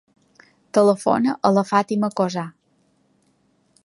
Telefona a la Fàtima Cozar.